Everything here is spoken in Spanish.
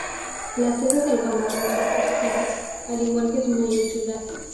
La sede del condado es Baker City, al igual que su mayor ciudad.